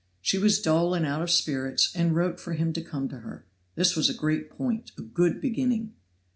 She was dull and out of spirits, and wrote for him to come to her; this was a great point, a good beginning.